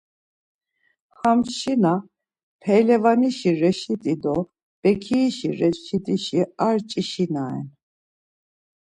Ham şina, Peylevanişi Reşiti do Bekiişi Reşidişi ar ç̌i-şina ren.